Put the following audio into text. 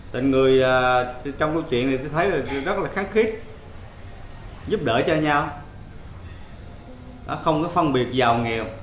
tên người trong câu chuyện này tôi thấy rất là kháng khiết giúp đỡ cho nhau không có phân biệt giàu nghèo